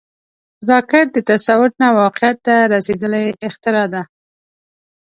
راکټ د تصور نه واقعیت ته رسیدلی اختراع ده